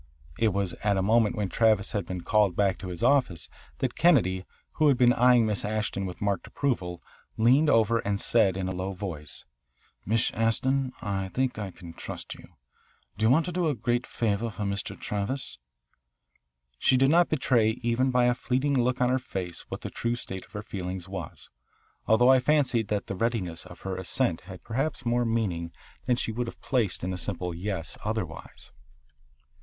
It was at a moment when Travis had been called back to his office that Kennedy, who had been eyeing Miss Ashton with marked approval, leaned over and said in a low voice, "Miss Ashton, I think I can trust you. Do you want to do a great favour for Mr. Travis?" She did not betray even by a fleeting look on her face what the true state of her feelings was, although I fancied that the readiness of her assent had perhaps more meaning than she would have placed in a simple "Yes" otherwise.